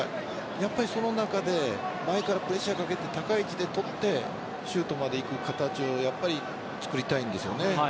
その中で前からプレッシャーかけて高い位置で取ってシュートまで行く形をやっぱり作りたいんですよね。